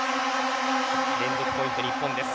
連続ポイント、日本です。